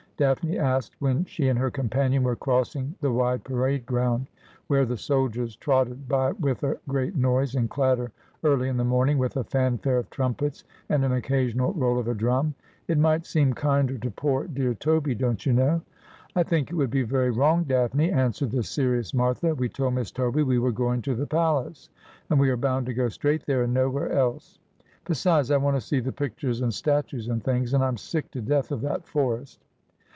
Daphne asked, when she and her companion were crossing the wide parade ground, where the soldiers trotted by with a great noise and clatter early in the morning, with a fanfare of trumpets and an occasional roll of a drum. ' It might seem kinder to poor dear Toby, don't you know.' 'I think it would be very wrong. Daphne,' answered the serious Martha. ' We told Miss Toby we were going to the palace, and we are bound to go straight there and nowhere else. Besides, I want to see the pictures and statues and things, and I am sick to death of that forest.'